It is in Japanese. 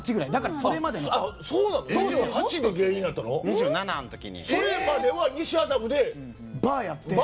それまでは西麻布でバーやってたの？